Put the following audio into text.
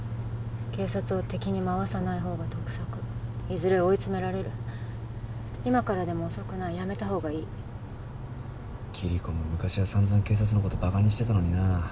警察を敵に回さない方が得策いずれ追い詰められる今からでも遅くないやめた方がいいキリコも昔はさんざん警察のことバカにしてたのになあ